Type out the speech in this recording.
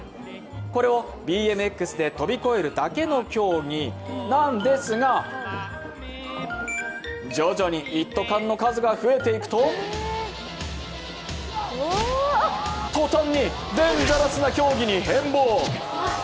これをＢＭＸで飛び越えるだけの競技なんですが、徐々に一斗缶の数が増えていくととたんにデンジャラスな競技に変貌。